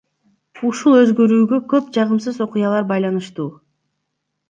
Ушул өзгөрүүгө көп жагымсыз окуялар байланыштуу.